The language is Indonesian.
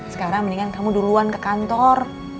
sekarang mendingan kamu duluan ke kantor